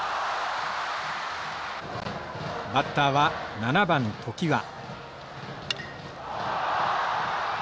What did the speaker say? バッターは７番常盤。